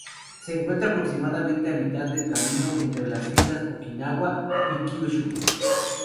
Se encuentra aproximadamente a mitad de camino entre las islas de Okinawa y Kyushu.